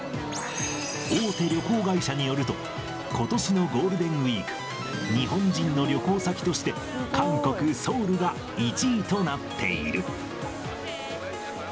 大手旅行会社によると、ことしのゴールデンウィーク、日本人の旅行先として韓国・ソウルが１位となっている。